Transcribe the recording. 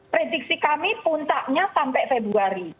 prediksi kami puncaknya sampai februari